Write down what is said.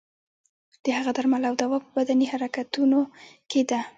د هغه درمل او دوا په بدني حرکتونو کې ده.